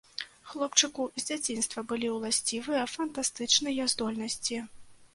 Хлопчыку з дзяцінства былі ўласцівыя фантастычныя здольнасці.